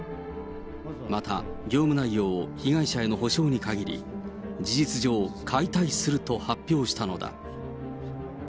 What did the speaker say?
また、業務内容を被害者への補償に限り、事実上、解体すると発表したのだ。